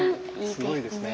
すごいですね。